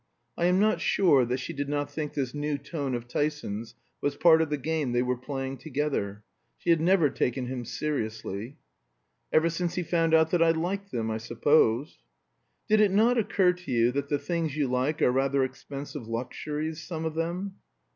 I am not sure that she did not think this new tone of Tyson's was part of the game they were playing together. She had never taken him seriously. "Ever since he found out that I liked them, I suppose." "Did it not occur to you that the things you like are rather expensive luxuries, some of them?"